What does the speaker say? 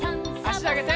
あしあげて。